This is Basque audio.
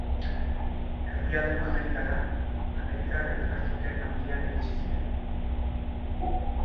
Erdialdeko Amerikara Amerikar Elkartruke Handian iritsi ziren.